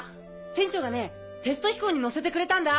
船長がねテスト飛行に乗せてくれたんだ。